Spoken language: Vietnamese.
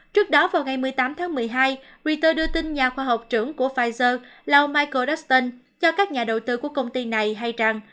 trước đó vào ngày một mươi tám tháng một mươi hai ritter đưa tin nhà khoa học trưởng của pfizer lầu michael dustin cho các nhà đầu tư của công ty này hay rằng